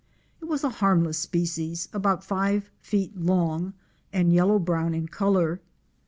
It was a harmless species about five feet long, and yellow brown in color.